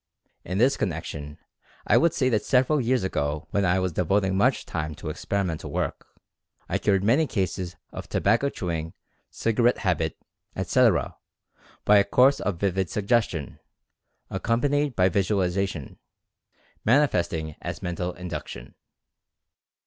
In this connection I would say that several years ago when I was devoting much time to experimental work, I cured many cases of tobacco chewing, cigar ette habit, etc., by a course of vivid suggestion, ac companied by visualization, manifesting as mental in duction.